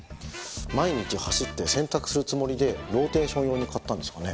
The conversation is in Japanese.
毎日走って洗濯するつもりでローテーション用に買ったんですかね？